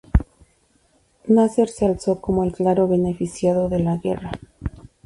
Nasser se alzó como el claro beneficiado de la guerra.